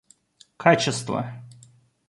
качество